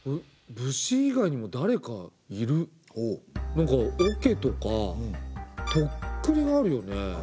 なんかおけとかとっくりがあるよね。